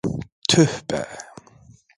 Tüh be!